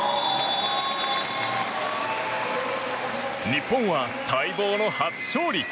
日本は待望の初勝利。